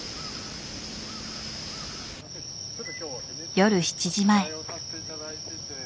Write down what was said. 夜７時前。